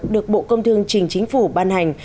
được bộ công thương trình chính phủ ban hành